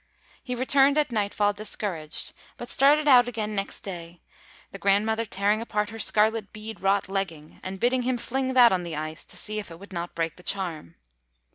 He returned at nightfall discouraged, but started out again next day, his grandmother tearing apart her scarlet bead wrought legging, and bidding him fling that on the ice to see if it would not break the charm.